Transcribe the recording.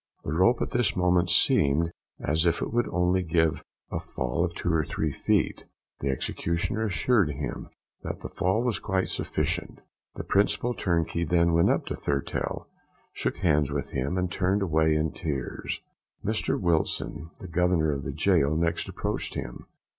The rope at this moment seemed as if it would only give a fall of two or three feet. The executioner assured him that the fall was quite sufficient. The principal turnkey then went up to Thurtell, shook hands with him, and turned away in tears. Mr Wilson, the governor of the gaol, next approached him.